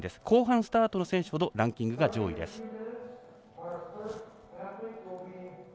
後半スタートの選手ほどランキングが上位です。